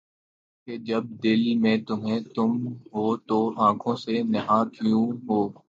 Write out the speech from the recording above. کہ جب دل میں تمھیں تم ہو‘ تو آنکھوں سے نہاں کیوں ہو؟